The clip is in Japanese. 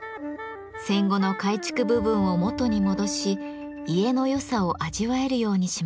戦後の改築部分を元に戻し家のよさを味わえるようにしました。